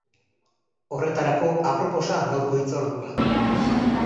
Horretarako aproposa gaurko hitzordua.